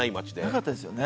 なかったですよね？